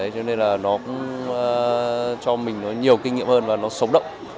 cho nên là nó cũng cho mình nó nhiều kinh nghiệm hơn và nó sống động